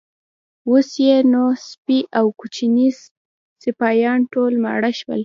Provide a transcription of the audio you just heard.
اوس یې نو سپۍ او کوچني سپیان ټول ماړه شول.